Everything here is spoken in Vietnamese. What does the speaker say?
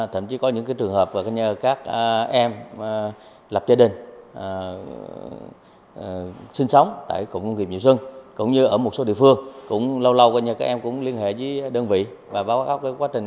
thậm chí có những trường hợp các em lập gia đình sinh sống tại cụng công nghiệp mỹ sơn cũng như ở một số địa phương cũng lâu lâu các em cũng liên hệ với đơn vị và báo cáo quá trình